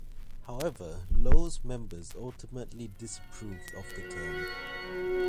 However, Low's members ultimately disapproved of the term.